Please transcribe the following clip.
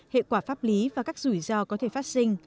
hệ quả pháp lý và các rủi ro có thể phát sinh